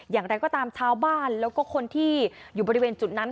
อย่างไรก็ตามชาวบ้านแล้วก็คนที่อยู่บริเวณจุดนั้น